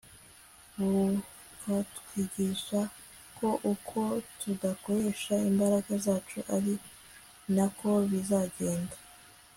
bukatwigisha, ko uko tudakoresha imbaraga zacu ari nako bizagenda. j